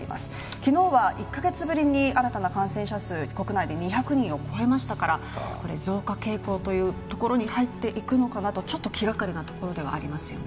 昨日は１カ月ぶりに新たな感染者数国内で２００人を超えましたから、増加傾向というところに入っていくのかなとちょっと気がかりなところではありますよね。